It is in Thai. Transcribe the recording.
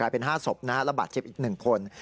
และเป็น๕ศพละบัดเจ็บอีก๑คน